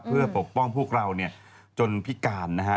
เพื่อปกป้องพวกเราเนี่ยจนพิการนะฮะ